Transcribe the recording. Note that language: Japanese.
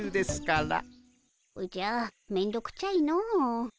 おじゃめんどくちゃいの。